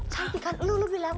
cantik kan lu lu bilang